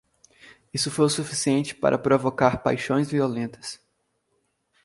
Isso foi o suficiente para provocar paixões violentas.